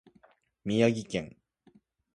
宮城県大衡村